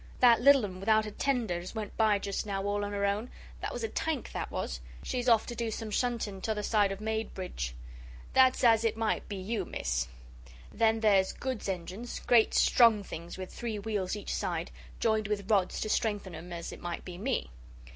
That little 'un without a tender as went by just now all on her own, that was a tank, that was she's off to do some shunting t'other side o' Maidbridge. That's as it might be you, Miss. Then there's goods engines, great, strong things with three wheels each side joined with rods to strengthen 'em as it might be me.